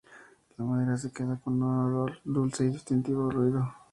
La madera se queda con un olor dulce y un distintivo ruido.